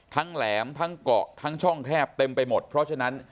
แหลมทั้งเกาะทั้งช่องแคบเต็มไปหมดเพราะฉะนั้น